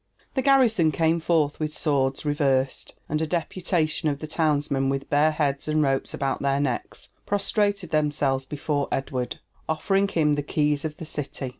The garrison came forth with swords reversed, and a deputation of the townsmen with bare heads and ropes about their necks, prostrated themselves before Edward, offering him the keys of the city.